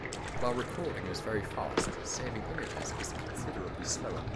While recording is very fast, saving images is considerably slower.